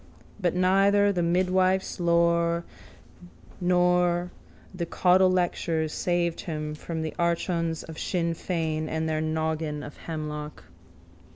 But neither the midwife's lore nor the caudlelectures saved him from the archons of Sinn Fein and their naggin of hemlock.